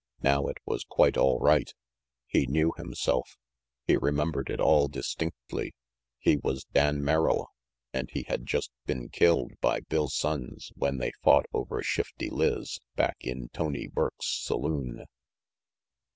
Now it was quite all right. He knew himself. He remem bered it all distinctly. He was Dan Merrill, and he had just been killed by Bill Sonnes when they fought over Shifty Lizz back in Tony Burke's saloon.